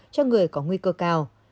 nhiều người có nguy cơ cao